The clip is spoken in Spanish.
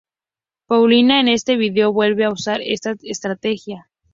Paulina en este vídeo vuelve a usar esta estrategia.